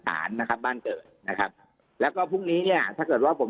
สารนะครับบ้านเกิดนะครับแล้วก็พรุ่งนี้เนี่ยถ้าเกิดว่าผม